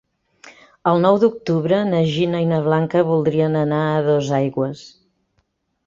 El nou d'octubre na Gina i na Blanca voldrien anar a Dosaigües.